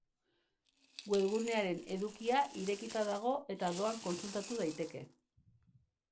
Webgunearen edukia irekita dago eta doan kontsulta daiteke.